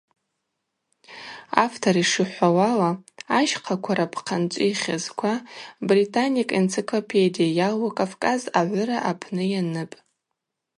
Автор йшихӏвауала, ащхъаква рапхъанчӏви хьызква Британник Энциклопедия йалу Кӏавкӏаз гӏвыра апны йаныпӏ.